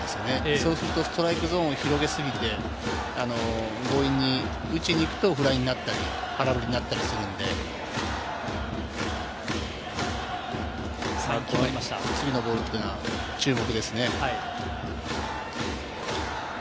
そうするとストライクゾーンを広げすぎて、強引に打ちに行くとフライになったり空振りになったりするので、次のボールというのは注目ですね。